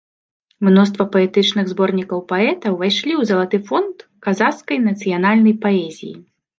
Мноства паэтычных зборнікаў паэта ўвайшлі ў залаты фонд казахскай нацыянальнай паэзіі.